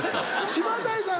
島谷さん